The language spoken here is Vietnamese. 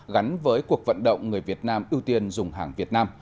gắn với cuộc vận động người việt nam ưu tiên dùng hàng việt nam